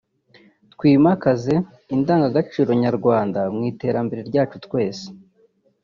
twimakaze indangagaciro nyarwanda mu iterambere ryacu twese